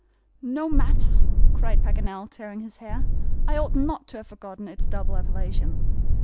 "No matter?" cried Paganel, tearing his hair; "I ought not to have forgotten its double appellation.